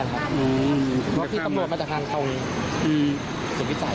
เพราะพี่ตำรวจมาจากด้านตรงสู่ปฏิษฐ์